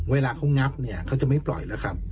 เวลาเขางับเนี่ยเขาจะไม่ปล่อยแล้วครับ